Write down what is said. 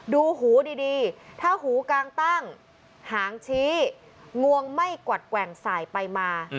ดูหูดีถ้าหูกลางตั้งหางชี้งวงไม่กวัดแกว่งสายไปมา